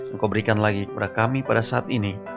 engkau berikan lagi kepada kami pada saat ini